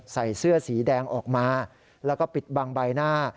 ใส่เสื้อสีแดงออกมาแล้วก็ปิดบังใบหน้า